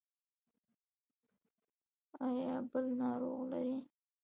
ایا بل ناروغ لرئ؟